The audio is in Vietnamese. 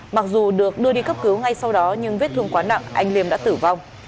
mặc dù được đưa đi cấp cứu ngay sau đó nhưng vết thương quá nặng anh liêm đã tử vong